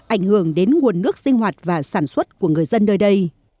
ảnh hưởng đến nguồn nước sinh hoạt và sản xuất của người dân nơi đây